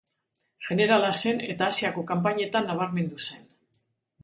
Jenerala zen eta Asiako kanpainetan nabarmendu zen.